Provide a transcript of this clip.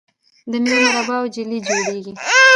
د میوو مربا او جیلی جوړیږي.